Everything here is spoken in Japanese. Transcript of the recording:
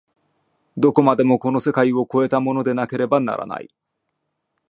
どこまでもこの世界を越えたものでなければならない。